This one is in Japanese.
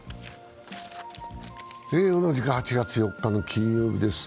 同じく８月４日の金曜日です